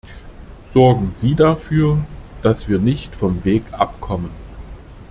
Sorgen Sie dafür, dass wir nicht vom Weg abkommen.